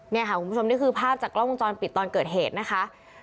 นี่ค่ะคุณผู้ชมนี่คือภาพจากกล้องวงจรปิดตอนเกิดเหตุนะคะ